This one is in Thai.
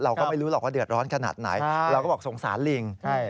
เราก็ไม่รู้หรอกว่าเดือดร้อนขนาดไหนเราก็บอกสงสารลิง